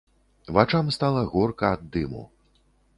Вачам стала горка ад дыму.